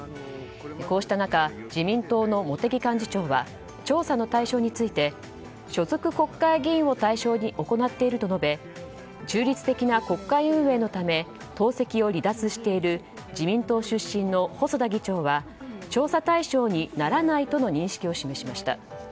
こうした中自民党の茂木幹事長は調査の対象について所属国会議員を対象に行っていると述べ中立的な国会運営のため党籍を離脱している自民党出身の細田議長は調査対象にならないとの認識を示しました。